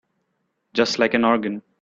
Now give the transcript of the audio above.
Just like an organ.